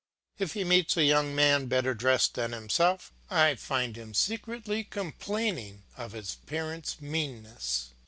If he meets a young man better dressed than himself, I find him secretly complaining of his parents' meanness.